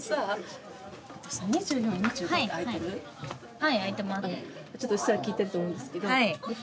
はい空いてます。